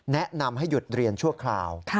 แนะนำให้หยุดเรียนชั่วคราว